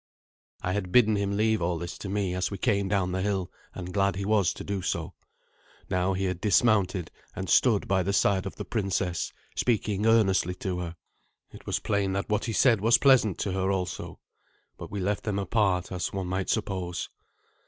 I had bidden him leave all this to me as we came down the hill, and glad he was to do so. Now he had dismounted, and stood by the side of the princess, speaking earnestly to her. It was plain that what he said was pleasant to her also. But we left them apart, as one might suppose.